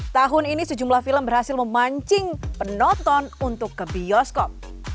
tahun ini sejumlah film berhasil memancing penonton untuk ke bioskop